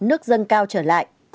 nước dân cao trở lại